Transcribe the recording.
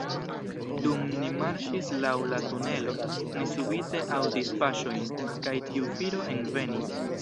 Dum ni marŝis laŭ la tunelo, ni subite aŭdis paŝojn, kaj tiu viro envenis.